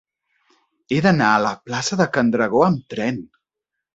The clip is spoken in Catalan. He d'anar a la plaça de Can Dragó amb tren.